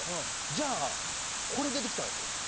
じゃあこれ出てきたんですよ。